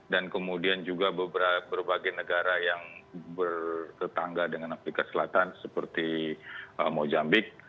dan kemudian juga berbagai negara yang bertangga dengan afrika selatan seperti mojambik